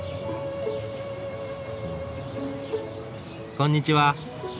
こんにちは。